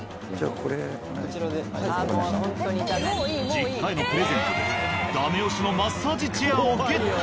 実家へのプレゼントでダメ押しのマッサージチェアをゲット。